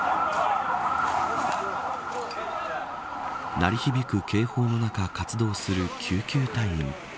鳴り響く警報の中活動する救急隊員。